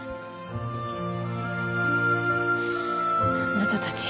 あなたたち。